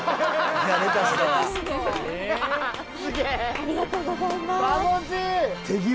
ありがとうございます。